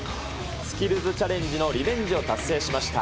スキルズチャレンジのリベンジを達成しました。